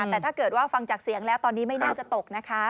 แต่ถ้าเกิดว่าฟังจากเสียงแล้วตอนนี้ไม่น่าจะตกนะคะ